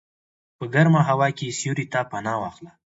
په ګرمه هوا کې سیوري ته پناه واخله.